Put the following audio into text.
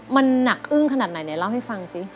มันหนักอึ้งขนาดไหนไหนเล่าให้ฟังสิ